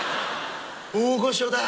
大御所だ！